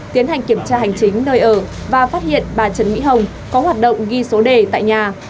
tiến hành kiểm tra hành chính nơi ở và phát hiện bà trần mỹ hồng có hoạt động ghi số đề tại nhà